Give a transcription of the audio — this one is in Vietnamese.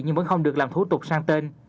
nhưng vẫn không được làm thủ tục sang tên